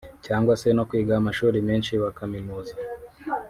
cyangwa se no kwiga amashuri menshi bakaminuza